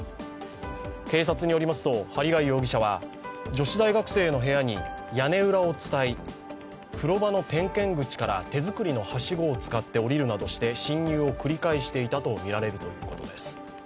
警察によりますと針谷容疑者は女子大学兵の部屋に屋根裏をつたい風呂場の点検口から手作りのはしごを使って降りるなどして侵入を繰り返していたとみられるということです。